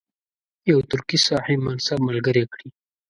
یو ترکي صاحب منصب ملګری کړي.